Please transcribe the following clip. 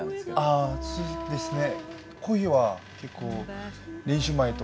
あそうですね。